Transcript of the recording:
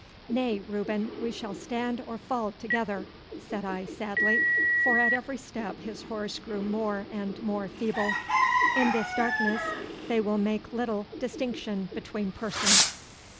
'Nay, Reuben, we shall stand or fall together,' said I sadly, for at every step his horse grew more and more feeble. 'In this darkness they will make little distinction between persons.